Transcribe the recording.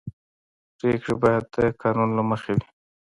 پرېکړې باید د قانون له مخې وي